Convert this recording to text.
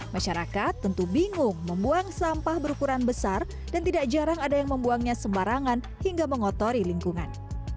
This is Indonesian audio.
masyarakat tentu bingung membuang sampah berukuran besar dan tidak jarang ada yang membuangnya sembarangan hingga mengotori lingkungan